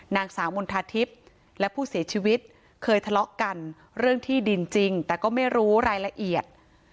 นางสาวมณฑาทิพย์และผู้เสียชีวิตเคยทะเลาะกันเรื่องที่ดินจริงแต่ก็ไม่รู้รายละเอียด